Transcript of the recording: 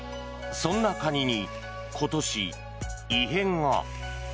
そんなカニに今年、異変が。